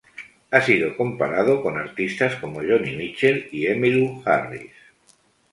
Ha sido comparada con artistas como Joni Mitchell y Emmylou Harris.